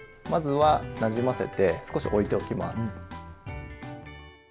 まずはなじませて少しおいておきます。